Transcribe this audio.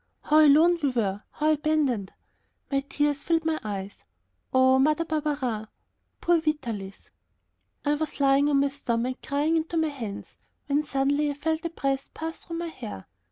How alone we were; how abandoned! The tears filled my eyes. Poor Mother Barberin! poor Vitalis. I was lying on my stomach, crying into my hands, when suddenly I felt a breath pass through my hair.